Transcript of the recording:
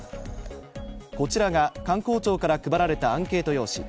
こちらが観光庁から配られたアンケート用紙。